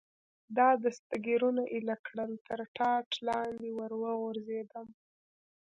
ما دستګیرونه ایله کړل، تر ټاټ لاندې ور وغورځېدم.